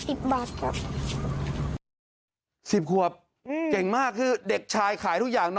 นี่นะครับน้ำที่เราขายนะครับ